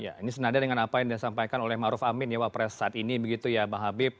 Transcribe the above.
ya ini senadar dengan apa yang disampaikan oleh ma ruf amin ya wapres saat ini begitu ya mbak habib